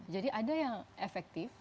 jadi ada yang efektif